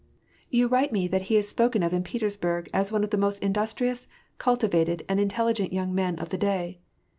You write me that he is spoken of in Petersburg as one of the most industrious, cultivated, and intelligent young men of the day.